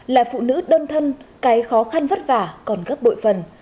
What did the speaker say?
là phụ nữ đơn thân cái khó khăn vất vả còn gấp bội phần